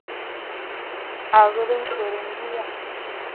À ghɨ̀rə mfwɛ̀rə ŋgu yâ.